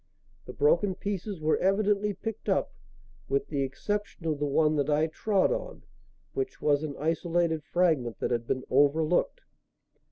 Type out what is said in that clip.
The broken pieces were evidently picked up, with the exception of the one that I trod on, which was an isolated fragment that had been overlooked.